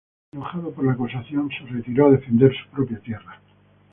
Enojado por la acusación, se retiró a defender su propia tierra.